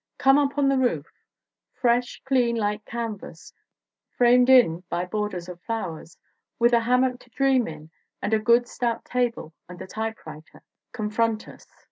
Come up on the roof. "Fresh, clean light canvas, framed in by borders of flowers, with a hammock to dream in and a good stout table and a typewriter," confront us.